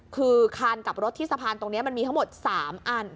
คือคานกับรถที่สะพานตรงนี้มันมีทั้งหมด๓อัน